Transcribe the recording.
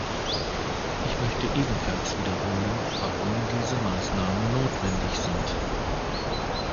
Ich möchte ebenfalls wiederholen, warum diese Maßnahmen notwendig sind.